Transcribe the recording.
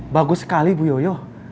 bagus sekali bu yoyo